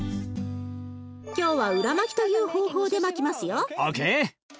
今日は裏巻きという方法で巻きますよ。ＯＫ！